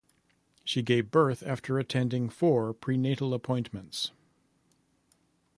She gave birth after attending four prenatal appointments.